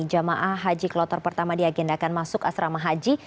jemaah haji kloter pertama diagendakan masuk asrama haji